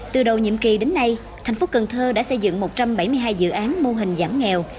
từ đầu nhiệm kỳ đến nay thành phố cần thơ đã xây dựng một trăm bảy mươi hai dự án mô hình giảm nghèo